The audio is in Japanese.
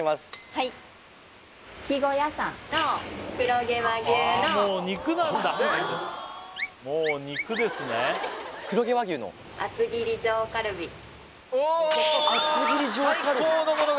はい黒毛和牛の？